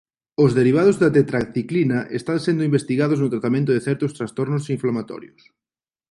Os derivados da tetraciclina están sendo investigados no tratamento de certos trastornos inflamatorios.